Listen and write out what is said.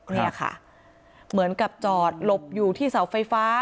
เนี่ยค่ะเหมือนกับจอดหลบอยู่ที่เสาไฟฟ้า